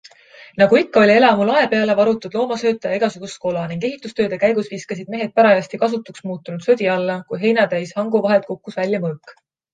Nagu ikka, oli elamu lae peale varutud loomasööta ja igasugust kola ning ehitustööde käigus viskasid mehed parajasti kasutuks muutunud sodi alla, kui heina täis hangu vahelt kukkus välja mõõk.